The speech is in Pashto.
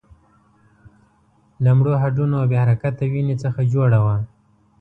له مړو هډونو او بې حرکته وينې څخه جوړه وه.